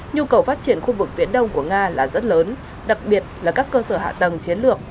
nhu cầu phát triển khu vực viễn đông của nga là rất lớn đặc biệt là các cơ sở hạ tầng chiến lược